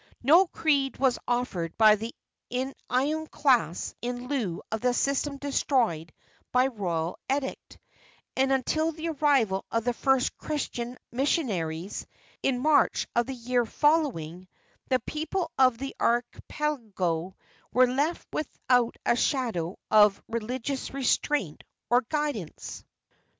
No creed was offered by the iconoclasts in lieu of the system destroyed by royal edict, and until the arrival of the first Christian missionaries, in March of the year following, the people of the archipelago were left without a shadow of religious restraint or guidance.